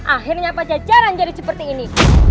akhirnya pacaran jadi seperti ini